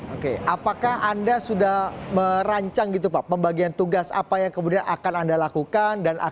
oke apakah anda sudah merancang gitu pak pembagian tugas apa yang kemudian akan anda lakukan